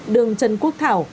đường trần quốc thảo